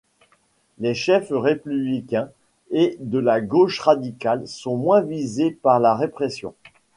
Les chefs républicains et de la gauche radicale sont moins visés par la répression.